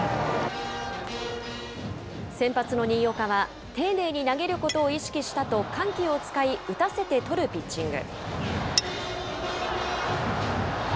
先発の新岡は丁寧に投げることを意識したと、緩急を使い、打たせて取るピッチング。